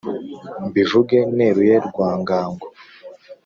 Mbivuge neruye Rwangango